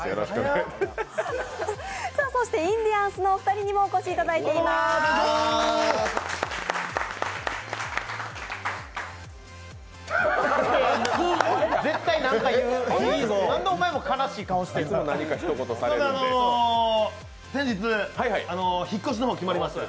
そして、インディアンスのお二人にもお越しいただきました。。